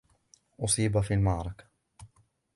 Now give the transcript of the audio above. أُصيب في المعركة.